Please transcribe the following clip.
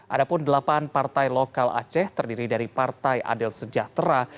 ada pun delapan partai lokal aceh terdiri dari partai adil sejahtera